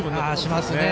しますね。